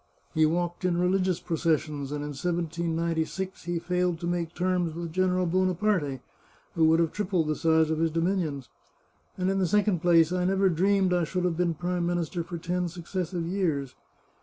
He walked in religious processions, and in 1796 439 The Chartreuse of Parma he failed to make terms with General Buonaparte, who would have tripled the size of his dominions. And in the second place, I never dreamed I should have been Prime Minister for ten successive years.